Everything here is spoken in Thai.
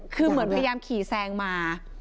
คือเหมือนพยายามขี่แซงมา